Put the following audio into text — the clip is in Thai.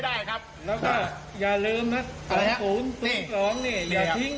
ได้ครับแล้วก็อย่าลืมน่ะอะไรฮะสูงสูงสองนี่อย่าทิ้ง